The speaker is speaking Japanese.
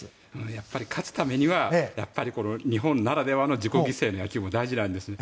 やっぱり勝つためには日本ならではの自己犠牲の野球も大事なんです。